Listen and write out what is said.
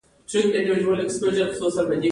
په برټش میوزیم کې د میرزا نامې یوه نسخه شته.